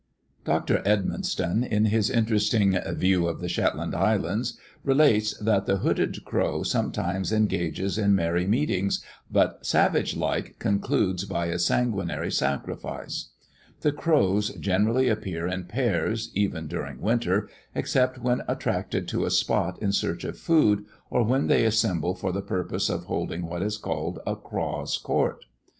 Dr. Edmonston in his interesting "View of the Zetland Islands," relates that the hooded Crow sometimes engages in merry meetings, but, savage like, concludes by a sanguinary sacrifice. The crows generally appear in pairs, even during winter, except when attracted to a spot in search of food, or when they assemble for the purpose of holding what is called a Craws' Court.